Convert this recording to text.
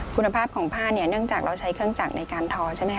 คุณภาพของผ้าเนื่องจากเราใช้เครื่องจักรในการทอ